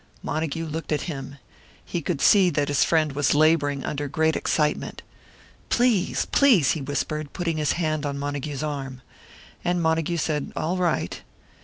Montague looked at him. He could see that his friend was labouring under great excitement. "Please! please!" he whispered, putting his hand on Montague's arm. And Montague said, "All right."